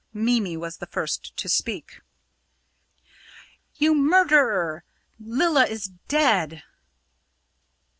Mimi was the first to speak. "You murderer! Lilla is dead!"